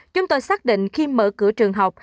chúng tôi xác định khi mở cửa trường học